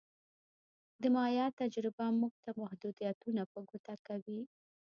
د مایا تجربه موږ ته محدودیتونه په ګوته کوي